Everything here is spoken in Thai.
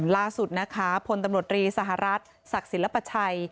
ล่าสุดนะคะพลตำรวจรีสหรัฐศักดิ์ศิลปชัย